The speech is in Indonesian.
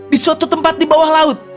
di suatu tempat di bawah laut